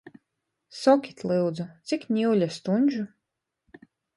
Sokit, lyudzu, cik niule stuņžu?